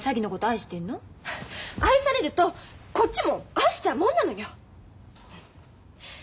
愛されるとこっちも愛しちゃうもんなのよ。